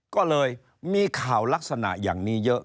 ก็เลยมีข่าวลักษณะอย่างนี้เยอะ